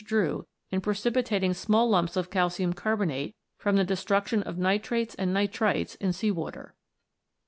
Drew in precipitating small lumps of calcium carbonate from the destruction of nitrates and nitrites in sea water.